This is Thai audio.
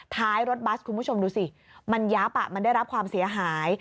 ท้ายรถบัสคุณผู้ชมดูสิมันยับมันได้รับความเสียหาย